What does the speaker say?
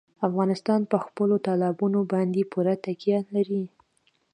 افغانستان په خپلو تالابونو باندې پوره تکیه لري.